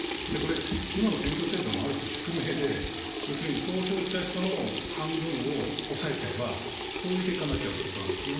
今の選挙制度のある種宿命で、投票した人の半分を抑えちゃえば、こういう結果になっちゃうってことなんですね。